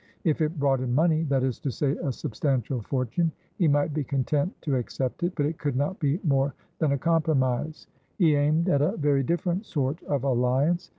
If it brought him moneythat is to say, a substantial fortunehe might be content to accept it, but it could not be more than a compromise; he aimed at a very different sort of alliance.